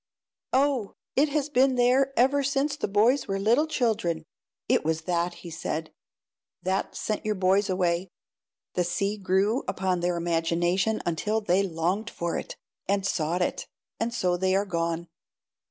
"Oh, it has been there ever since the boys were little children." "It was that," he said, "that sent your boys away. The sea grew upon their imagination until they longed for it, and sought it, and so they are gone."